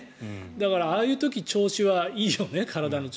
だから、ああいう時体の調子は確かにいいよね。